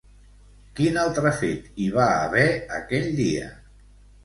Quin altre fet hi va haver aquell dia?